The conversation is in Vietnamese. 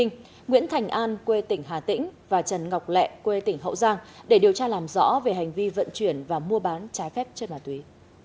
nguyễn thành an quê tỉnh hà tĩnh và trần ngọc lẹ quê tỉnh hậu giang để điều tra làm rõ về hành vi vận chuyển và mua bán trái phép chất ma túy